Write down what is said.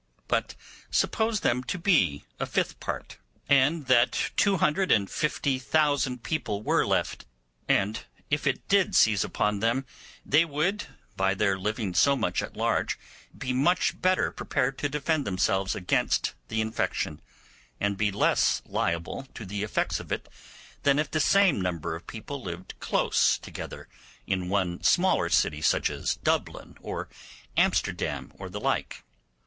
But suppose them to be a fifth part, and that two hundred and fifty thousand people were left: and if it did seize upon them, they would, by their living so much at large, be much better prepared to defend themselves against the infection, and be less liable to the effects of it than if the same number of people lived close together in one smaller city such as Dublin or Amsterdam or the like.